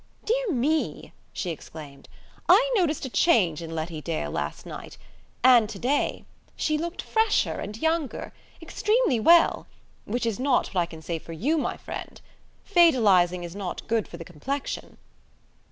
"Dear me!" she exclaimed. "I noticed a change in Letty Dale last night; and to day. She looked fresher and younger; extremely well: which is not what I can say for you, my friend. Fatalizing is not good for the complexion."